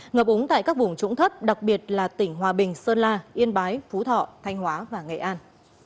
ngập úng tại các vùng trũng thấp đặc biệt là tỉnh hòa bình sơn la yên bái phú thọ thanh hóa và nghệ an